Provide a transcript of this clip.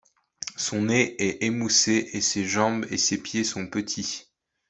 Son nez est émoussé et ses jambes et ses pieds sont petits.